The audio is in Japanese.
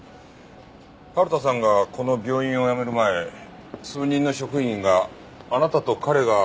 春田さんがこの病院を辞める前数人の職員があなたと彼が口論してるのを見たそうですが。